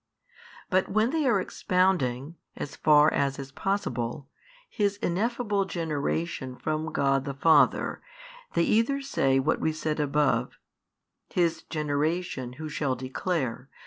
But when they are expounding (as far as is possible) His Ineffable Generation from God the Father, they either say what we said above, His generation who shall declare?